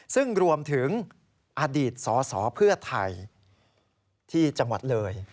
ซึ่งรวมถึงอดีตสสเพื่อไทยที่จังหวัดเลย